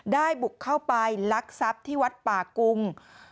บุกเข้าไปลักทรัพย์ที่วัดป่ากุง